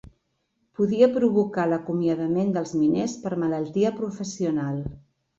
Podia provocar l'acomiadament dels miners per malaltia professional.